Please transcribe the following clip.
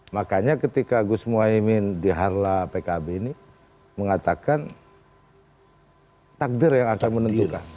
makanya ketika gus mohaimin diharla pkb ini mengatakan takdir yang akan menentukan